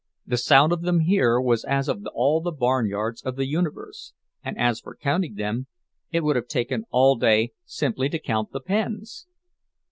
The sound of them here was as of all the barnyards of the universe; and as for counting them—it would have taken all day simply to count the pens.